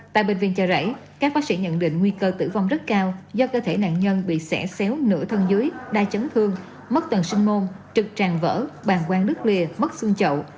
tại bệnh viện chợ rẫy các bác sĩ nhận định nguy cơ tử vong rất cao do cơ thể nạn nhân bị xẻo nửa thân dưới đa chấn thương mất tầng sinh môn trực tràng vỡ bàn quan nước lìa mất xương chậu